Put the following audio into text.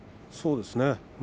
そうですね